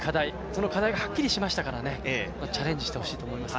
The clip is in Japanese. その課題がはっきりしましたからチャレンジしたいと思います。